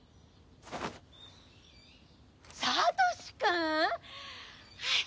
サトシくん！？